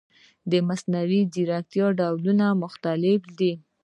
د مصنوعي ځیرکتیا ډولونه مختلف دي.